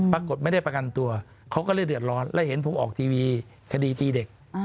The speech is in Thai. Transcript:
ปรากฏไม่ได้ประกันตัวเขาก็เลยเดือดร้อนแล้วเห็นผมออกทีวีคดีตีเด็ก